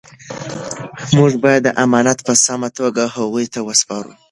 موږ باید دا امانت په سمه توګه هغوی ته وسپارو.